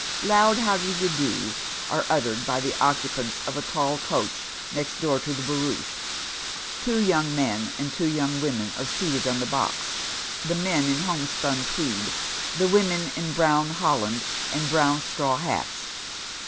Loud " how d'ye do's " are uttered by the occnpanls of a tall coach next door to the barouche, two young men and two young women are seated on the box — the men in homespun tweed, tlie women in brown holland and brown straw hats.